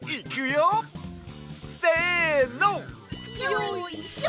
よいしょ！